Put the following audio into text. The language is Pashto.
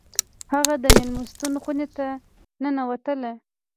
هغه د میلمستون خونې ته ننوتله